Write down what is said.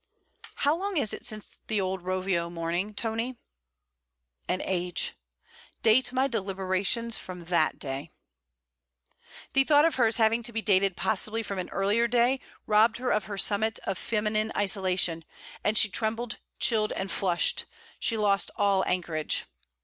'How long is it since the old Rovio morning, Tony?' 'An age.' 'Date my deliberations from that day.' The thought of hers having to be dated possibly from an earlier day, robbed her of her summit of feminine isolation, and she trembled, chilled and flushed; she lost all anchorage.